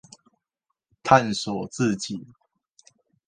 探索自己